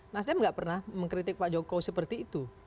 nasdem nggak pernah mengkritik pak jokowi seperti itu